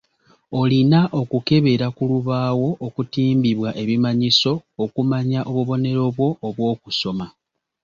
Olina okukebera ku lubaawo okutimbibwa ebimanyiso okumanya obubonero bwo obw'okusoma.